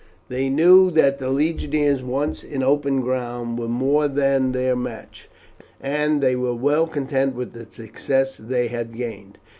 They knew that the legionaries once in open ground were more than their match, and they were well content with the success they had gained.